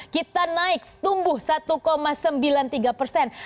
kita naik tumbuh satu sembilan puluh tiga persen